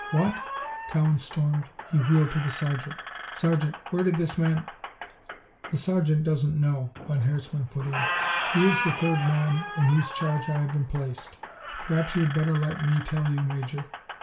"What!" Cowan stormed. He wheeled to the sergeant. "Sergeant, where did this man " "The sergeant doesn't know," von Herzmann put in. "He is the third man in whose charge I have been placed. Perhaps you had better let me tell you, Major.